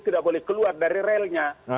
tidak boleh keluar dari relnya